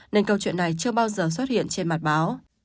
nên câu chuyện này chưa bao giờ xuất hiện trên mặt báo